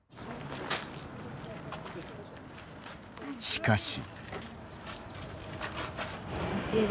しかし。